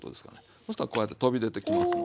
そしたらこうやって飛び出てきますので。